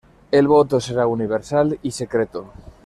El voto será universal y secreto.